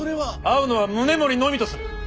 会うのは宗盛のみとする。